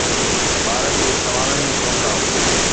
ٻارن جي سوالن جو پروگرام